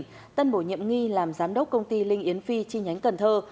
nguyễn minh tân bổ nhiệm nghi làm giám đốc công ty linh yến phi chi nhánh cần thơ